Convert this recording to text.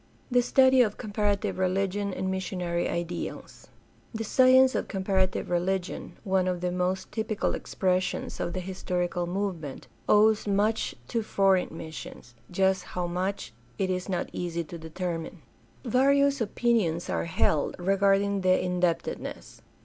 The study of comparative religion and missionary ideals. — The science of comparative religion, one of the most typical expressions of the historical movement, owes much to foreign missions — just how much it is not easy to determine. 478 GUIDE TO STUDY OF CHRISTIAN RELIGION Various opinions are held regarding this indebtedness.